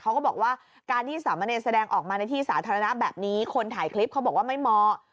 เขาก็บอกว่าการที่สามเณรแสดงออกมาในที่สาธารณะแบบนี้คนถ่ายคลิปเขาบอกว่าไม่เหมาะ